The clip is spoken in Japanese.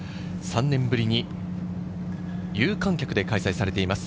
３年ぶりに有観客で開催されています。